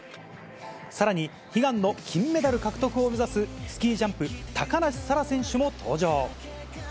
さらに、悲願の金メダル獲得を目指すスキージャンプ、高梨沙羅選手も登場。